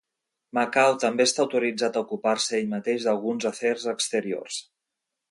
Macau també està autoritzat a ocupar-se ell mateix d'alguns afers exteriors.